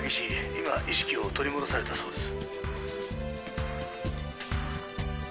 今意識を取り戻されたそうです」